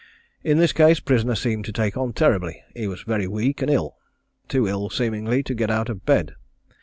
In this case prisoner seemed to take on terribly. He was very weak and ill too ill seemingly to get out of bed.